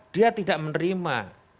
dia tidak menerima